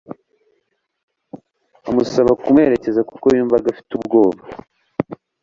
amusaba kumuherekeza kuko yumvaga afite ubwoba